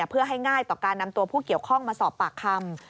เพื่อให้ง่ายต่อการนำตัวผู้เกี่ยวข้องมาสอบปากคำ